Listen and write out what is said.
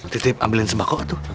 titip ambilin sembako tuh